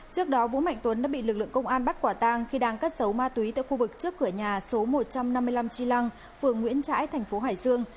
trước đó vũ mạnh tuấn đã bị lực lượng công an bắt quả tang khi đang cất giấu ma túy tại khu vực trước cửa nhà số một trăm năm mươi năm tri lăng phường nguyễn trãi thành phố hải dương